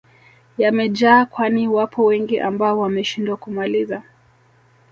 yamejaa kwani wapo wengi ambao wameshindwa kumaliza